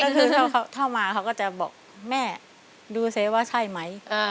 ก็คือเข้ามาเขาก็จะบอกแม่ดูซิว่าใช่ไหม